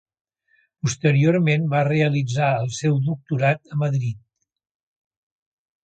Posteriorment va realitzar el seu doctorat a Madrid.